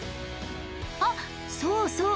あっそうそう。